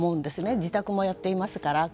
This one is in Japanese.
自宅もやっていますから。